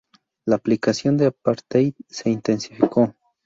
La aplicación del apartheid se intensificó.